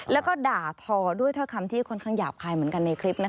แล้วก็ด่าทอด้วยถ้อยคำที่ค่อนข้างหยาบคายเหมือนกันในคลิป